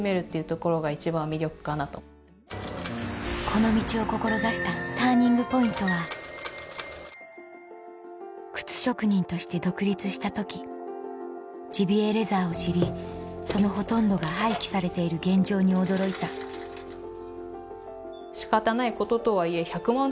この道を志したＴＵＲＮＩＮＧＰＯＩＮＴは靴職人として独立した時ジビエレザーを知りそのほとんどが廃棄されている現状に驚いた仕方ないこととはいえ１００万